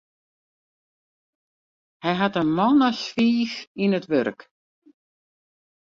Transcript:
Hy hat in man as fiif yn it wurk.